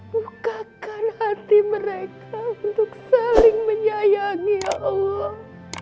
bukakan hati mereka untuk saling menyayangi ya allah